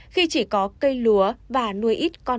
khi chỉ có cây lúa và nuôi ít con